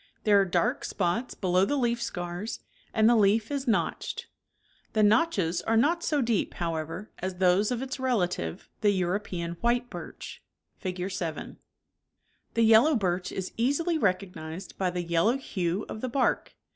There are dark spots below the leaf scars, and the leaf is notched. The notches are not so deep, how ever, as those of its relative, the European white birch (Fig. 7). The yellow birch is easily recognized by the yel low hue of the bark.